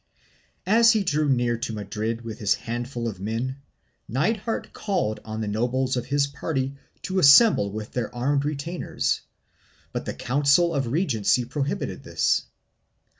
As he drew near to Madrid with his handful of men, Nithard called on the nobles of his party to assemble with their armed retainers, but the Council of Regency prohibited this.